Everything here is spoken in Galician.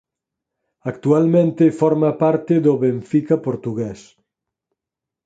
Actualmente forma parte do Benfica portugués.